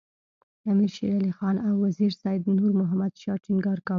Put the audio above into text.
امیر شېر علي خان او وزیر سید نور محمد شاه ټینګار کاوه.